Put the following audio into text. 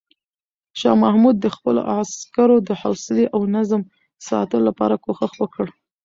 شاه محمود د خپلو عسکرو د حوصلې او نظم ساتلو لپاره کوښښ وکړ.